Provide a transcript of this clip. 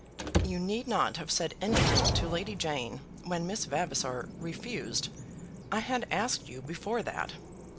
"You need not have said anything to Lady Jane when Miss Vavasor refused. I had asked you before that."